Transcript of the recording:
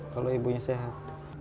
kalau ibunya sehat